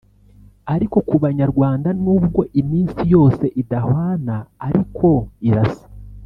ariko ku Banyarwanda n’ubwo iminsi yose idahwana ariko irasa